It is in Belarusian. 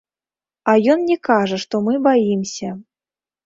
А ён мне кажа, што мы баімся.